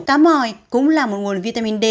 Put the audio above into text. cá mòi cũng là một nguồn vitamin d